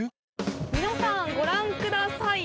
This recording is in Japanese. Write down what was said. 皆さんご覧ください。